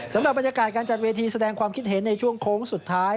สำหรับบรรยากาศการจัดเวทีแสดงความคิดเห็นในช่วงโค้งสุดท้าย